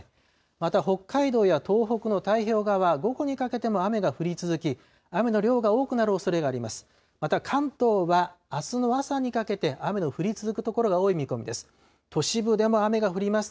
また北海道や東北の太平洋側は午後にかけても雨が降り続き雨の量が多くなるおそれがあります。